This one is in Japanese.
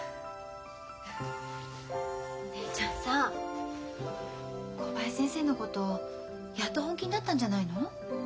お姉ちゃんさ小林先生のことやっと本気になったんじゃないの？